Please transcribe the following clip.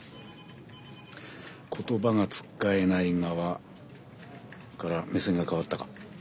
言葉がつっかえない側から目線が変わったか？